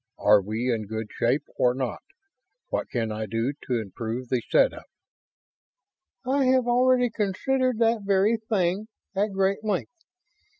Are we in good shape or not? What can I do to improve the setup?" "I have already considered that very thing at great length.